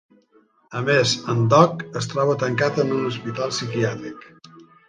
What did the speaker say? A més, en Doc es troba tancat en un hospital psiquiàtric.